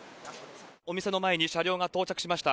お店の前に車両が到着しました。